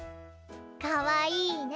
かわいいね。